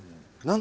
何？